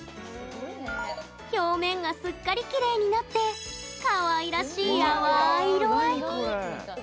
表面が、すっかりきれいになってかわいらしい淡い色合いに。